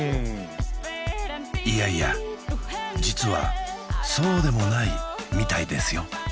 いやいや実はそうでもないみたいですよ